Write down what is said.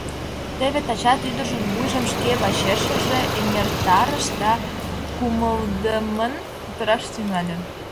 Теве тачат ӱдыржын вуйжым шке вачешыже эҥертарыш да кумылдымын кутыраш тӱҥале.